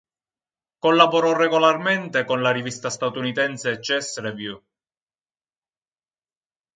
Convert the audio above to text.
Collaborò regolarmente con la rivista statunitense "Chess Review".